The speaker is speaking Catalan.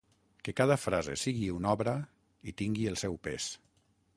Que cada frase sigui una obra i tingui el seu pes.